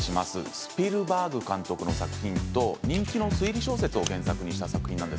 スピルバーグ監督の作品と人気の推理小説を原作とした作品です。